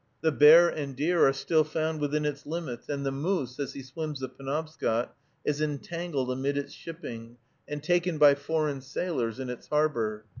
The bear and deer are still found within its limits; and the moose, as he swims the Penobscot, is entangled amid its shipping, and taken by foreign sailors in its harbor.